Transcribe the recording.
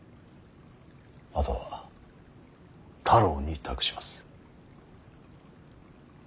あとは太郎に託します。